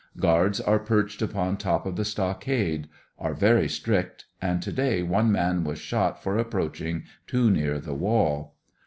Guards are perched upon top of the stockade; are very strict, and to day one man was shot for approaching too near the wall.